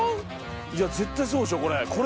いや絶対そうでしょうこれ。